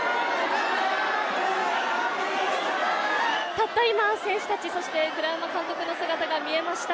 たった今、選手たちそして栗山監督の姿が見えました。